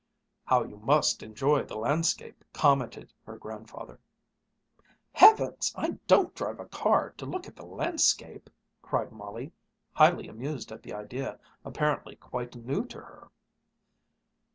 "How you must enjoy the landscape," commented her grandfather. "Heavens! I don't drive a car to look at the landscape!" cried Molly, highly amused at the idea, apparently quite new to her.